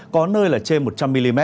có nơi là trên một trăm linh mm